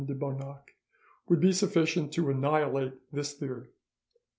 de Bonac would be sufficient to annihilate this theory.